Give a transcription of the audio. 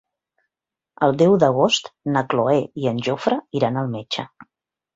El deu d'agost na Cloè i en Jofre iran al metge.